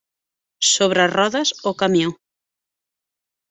Sobre rodes o camió.